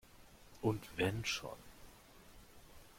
Und wenn schon!